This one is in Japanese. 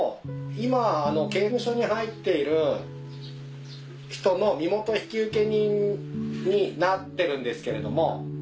今刑務所に入っている人の身元引受人になってるんですけれども。